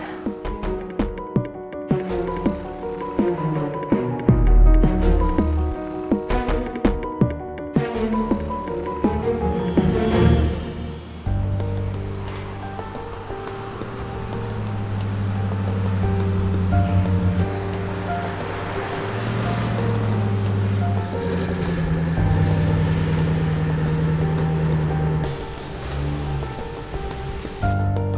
aku mau ke rumah